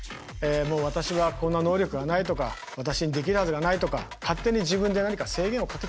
私はこんな能力がないとか私にできるはずがないとか勝手に自分で何か制限をかけちゃってんですよね。